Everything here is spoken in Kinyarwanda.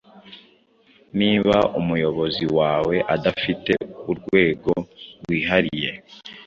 Niba umuyobozi wawe adafite urwego rwihariye